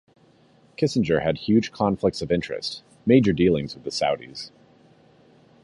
Kissinger had huge conflicts of interest -- major dealings with the Saudis...